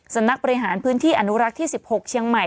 สำนักบริหารพื้นที่อนุรักษ์ที่๑๖เชียงใหม่